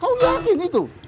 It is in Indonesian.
kau yakin itu